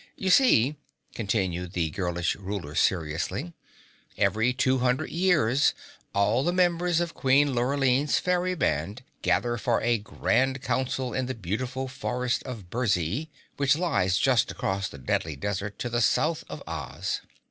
You see," continued the girlish ruler seriously, "every 200 years all the members of Queen Lurline's fairy band gather for a Grand Council in the beautiful Forest of Burzee which lies just across the Deadly Desert to the South of Oz."